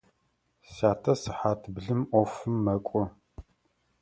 Сятэ сыхьат блым ӏофым мэкӏо.